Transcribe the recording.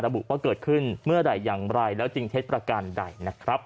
บุว่าเกิดขึ้นเมื่อไหร่อย่างไรแล้วจริงเท็จประการใดนะครับ